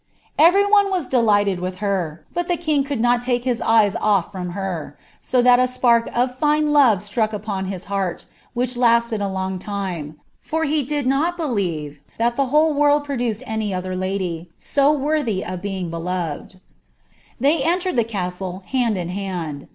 '■ Every one wai dclighled with her; but ihe king coold ncM ttkehii eyee off fmm her, *o that • ipark nf fine love struck apoo his hatfi which la*ted a long time \ for he did nul believe, that the whole w«U produrrd any other lady, so worthy of being beloved. Thue they uUiiii the castle, hand ia hand.